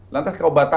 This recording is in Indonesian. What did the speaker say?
lantas kamu batalkan